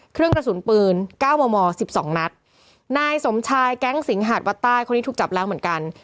เครื่องกระสุนปืนเก้ามอมอสิบสองนัดนายสมชายแก๊งสิงหาดวัดใต้คนนี้ถูกจับแล้วเหมือนกัน